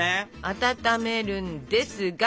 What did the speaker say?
温めるんですが。